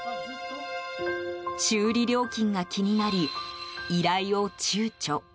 修理料金が気になり依頼をちゅうちょ。